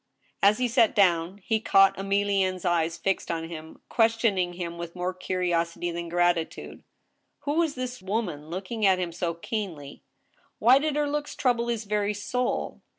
As he sat dovra, he caught Emilienne's eyes fixed on him, ques tioning him with more curiosity than gratitude. Who was this woman looking at him so keenly } Why did her looks trouble his very soul